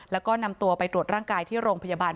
แล้วก็นำตัวไปตรวจร่างกายที่โรงพยาบาล